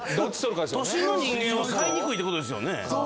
都心の人間は買いにくいってことですよね。